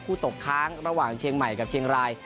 ตกค้างระหว่างเชียงใหม่กับเชียงราย